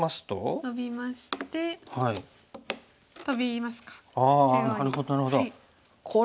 ノビましてトビますか中央に。